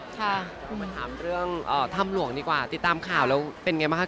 คุณมาถามเรื่องถ้ำหลวงดีกว่าติดตามข่าวแล้วเป็นไงบ้างคะ